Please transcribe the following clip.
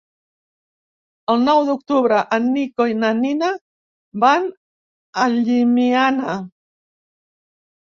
El nou d'octubre en Nico i na Nina van a Llimiana.